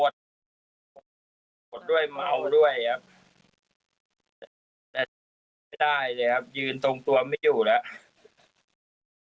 โทษด้วยเมาด้วยครับแต่ไม่ได้เลยครับยืนตรงตัวไม่อยู่แล้ว